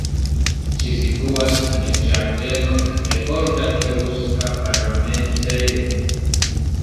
Ĝi situas en ĝardeno de olda eŭska parlamentejo.